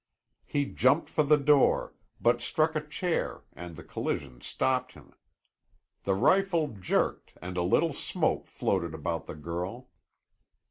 He jumped for the door, but struck a chair and the collision stopped him. The rifle jerked and a little smoke floated about the girl.